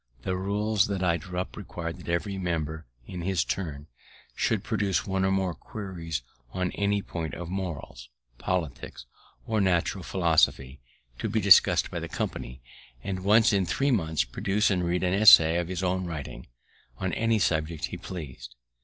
The rules that I drew up required that every member, in his turn, should produce one or more queries on any point of Morals, Politics, or Natural Philosophy, to be discuss'd by the company; and once in three months produce and read an essay of his own writing, on any subject he pleased.